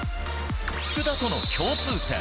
福田との共通点。